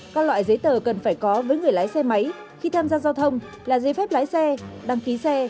các loại giấy tờ cần phải có với người lái xe máy khi tham gia giao thông là giấy phép lái xe đăng ký xe